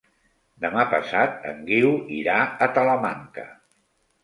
Demà passat en Guiu irà a Talamanca.